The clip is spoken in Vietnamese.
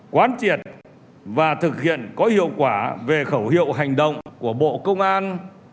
quán triệt và thực hiện có hiệu quả về khẩu hiệu hành động của bộ công an